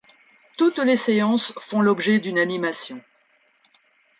Toutes les séances font l'objet d'une animation.